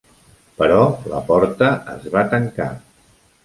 Però la porta es va tancar.